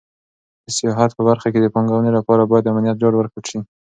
د سیاحت په برخه کې د پانګونې لپاره باید د امنیت ډاډ ورکړل شي.